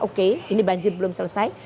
oke ini banjir belum selesai